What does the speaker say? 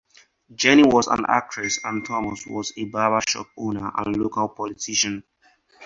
Jennie was an actress and Thomas was a barbershop owner and local politician.